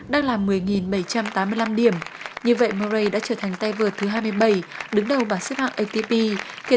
đã là một mươi bảy trăm tám mươi năm điểm như vậy murray đã trở thành tay vượt thứ hai mươi bảy đứng đầu bản xếp hạng atp kể